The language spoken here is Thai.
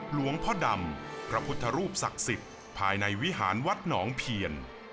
หลวงพ่อดำพระพุทธรูปศักดิ์สิทธิ์ภายในวิหารวัดหนองเพียน